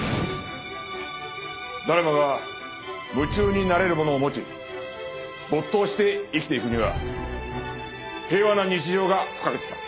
誰もが夢中になれるものを持ち没頭して生きていくには平和な日常が不可欠だ。